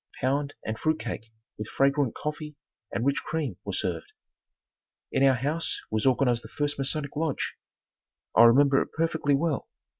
Pound and fruit cake with fragrant coffee and rich cream were served. In our house was organized the first Masonic Lodge. I remember it perfectly well.